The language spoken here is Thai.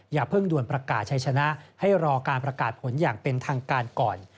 อย่าเพิ่งด่วนประกาศชัยชนะให้รอการประกาศผลอย่างเป็นทางการก่อน